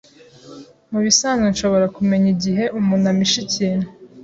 Mubisanzwe nshobora kumenya igihe umuntu ampishe ikintu.